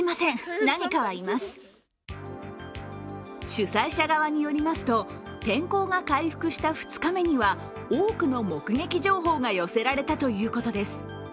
主催者側によりますと天候が回復した２日目には多くの目撃情報が寄せられたということです。